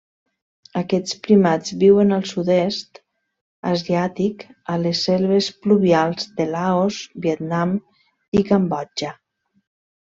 Aquests primats viuen al sud-est asiàtic, a les selves pluvials de Laos, Vietnam i Cambodja.